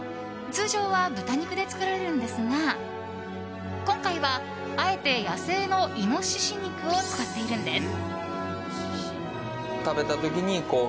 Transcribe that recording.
通常は豚肉で作られるのですが今回は、あえて野生のイノシシ肉を使っているんです。